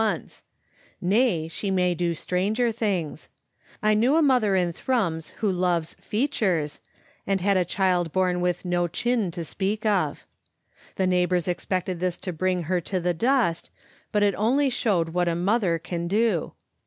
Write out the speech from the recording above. once; nay, she may do stranger things, t know a mother in Thrums who loves "features," and had a child bom with no chin to speak of. The neighbors expected this to bring her to the dust, but it only, showed what a mother can do.